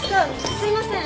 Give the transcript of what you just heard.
すいません。